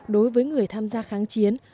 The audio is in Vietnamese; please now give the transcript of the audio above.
đối với người tham gia kháng chiến